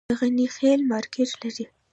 د غني خیل مارکیټ لري